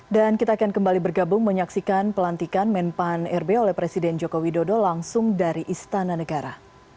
dan kita akan kembali bergabung menyaksikan pelantikan men pan air b oleh presiden joko widodo langsung dari istana negara